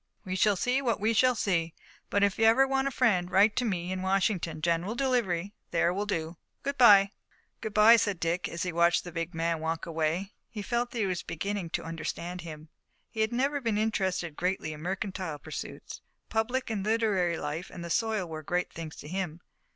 "We shall see what we shall see, but if you ever want a friend write to me in Washington. General delivery, there will do. Good by." "Good by," said Dick, and, as he watched the big man walk away, he felt that he was beginning to understand him. He had never been interested greatly in mercantile pursuits. Public and literary life and the soil were the great things to him.